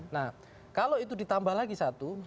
nah kalau itu ditambah lagi satu